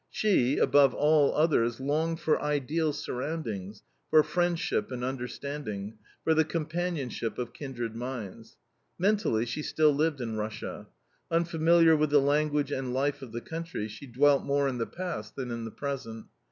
She, above all others, longed for ideal surroundings, for friendship and understanding, for the companionship of kindred minds. Mentally she still lived in Russia. Unfamiliar with the language and life of the country, she dwelt more in the past than in the present.